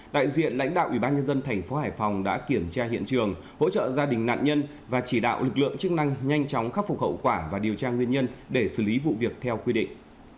đại diện lãnh đạo ủy ban nhân dân thành phố hải phòng đã kiểm tra hiện trường hỗ trợ gia đình nạn nhân và chỉ đạo lực lượng chức năng nhanh chóng khắc phục hậu quả và điều tra nguyên nhân để xử lý vụ việc theo quy định